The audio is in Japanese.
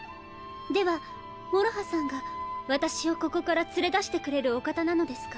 ではもろはさんが私をここから連れ出してくれるお方なのですか？